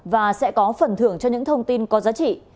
và sẽ có phần thưởng cho những thông tin có giá trị